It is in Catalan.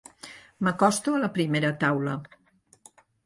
M'acosto a la primera taula.